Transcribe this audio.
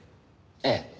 ええ。